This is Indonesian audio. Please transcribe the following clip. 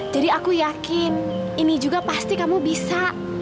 jadi aku yakin ini juga pasti kamu bisa